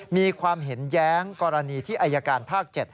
มีความเห็นแย้งกรณีที่อายการภาค๗